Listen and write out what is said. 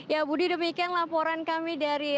ya budi demikian laporan kami dari